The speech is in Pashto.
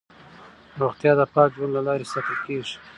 روغتیا د پاک ژوند له لارې ساتل کېږي.